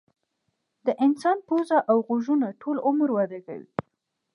د انسان پوزه او غوږونه ټول عمر وده کوي.